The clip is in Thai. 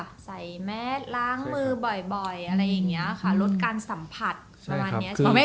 บ่อยอะไรอย่างเงี้ยค่ะลดการสัมผัสประมาณเนี้ยคืออ้อไม่